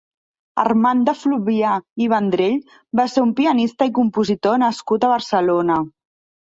Armand de Fluvià i Vendrell va ser un pianista i compositor nascut a Barcelona.